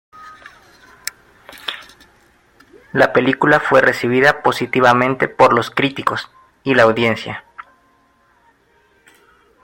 La película fue recibida positivamente por los críticos y la audiencia.